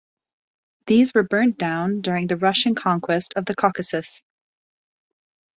These were burned down during the Russian conquest of the Caucasus.